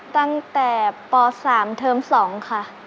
ตั้งแต่ป๓เทอม๒ค่ะ